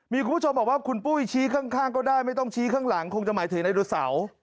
มีคุณผู้ชมบอกว่าคุณปุ้ยชี้ข้างก็ได้ไม่ต้องชี้ข้างหลังคงจะหมายถึงไดโนเสาร์